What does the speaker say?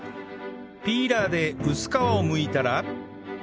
ピーラーで薄皮を剥いたら